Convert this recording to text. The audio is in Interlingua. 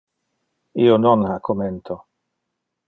Io non ha commento.